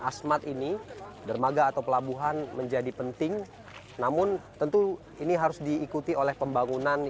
asmat ini dermaga atau pelabuhan menjadi penting namun tentu ini harus diikuti oleh pembangunan